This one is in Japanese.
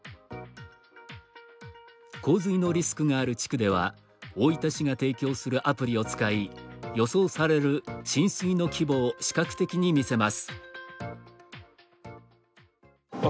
洪水のリスクがある地区では大分市が提供するアプリを使い予想される浸水の規模を視覚的に見せます。